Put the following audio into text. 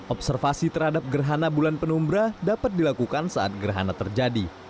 observasi terhadap gerhana bulan penumbra dapat dilakukan saat gerhana terjadi